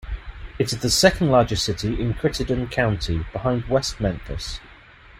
It is the second largest city in Crittenden County, behind West Memphis.